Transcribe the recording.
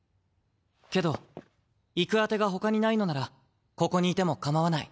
けど行く当てがほかにないのならここにいてもかまわない。